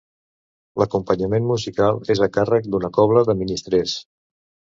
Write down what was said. L'acompanyament musical és a càrrec d'una cobla de ministrers.